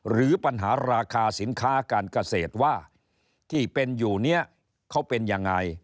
หรือปัญหาราคาสินค้าการเกษตรว่าที่เป็นอยู่เนี่ยเขาเป็นยังไง